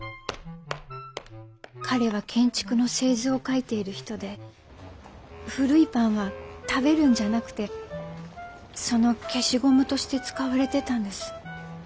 彼は建築の製図を描いている人で古いパンは食べるんじゃなくてその消しゴムとして使われてたんです。